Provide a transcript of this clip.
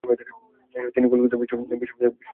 তিনি কলকাতা বিশ্ববিদ্যালয়ের ফেলো ছিলেন।